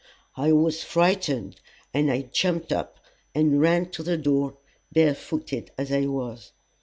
I was frightened, and I jumped up and ran to the door, barefooted as I was.